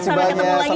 sampai ketemu lagi